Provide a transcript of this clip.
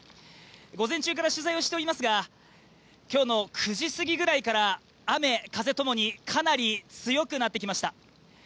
午前中から取材をしておりますが今日の９時すぎくらいから雨、風ともにかなり強くなってきました。